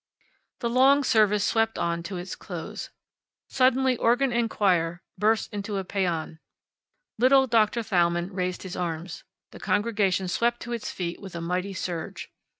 The long service swept on to its close. Suddenly organ and choir burst into a paeon. Little Doctor Thalmann raised his arms. The congregation swept to its feet with a mighty surge.